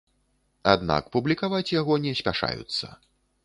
Аднак публікаваць яго не спяшаюцца.